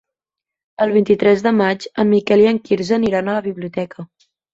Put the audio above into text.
El vint-i-tres de maig en Miquel i en Quirze aniran a la biblioteca.